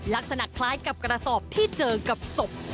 ลักษณะคล้ายกับกระสอบที่เจอกับศพ